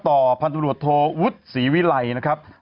ต่อผันธุรกโทวุดสีวิไรนะครับ